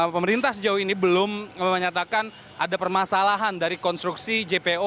pemerintah sejauh ini belum menyatakan ada permasalahan dari konstruksi jpo